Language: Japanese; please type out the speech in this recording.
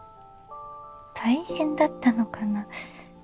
大変だったのかなぁ。